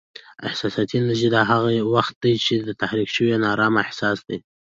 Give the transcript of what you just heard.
احساساتي انرژي: دا هغه وخت دی چې تحریک شوی او نا ارامه احساس دی.